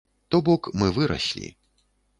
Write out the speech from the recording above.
То бок, мы выраслі.